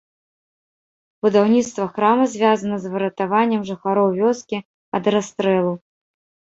Будаўніцтва храма звязана з выратаваннем жыхароў вёскі ад расстрэлу.